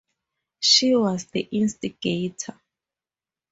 She was the instigator.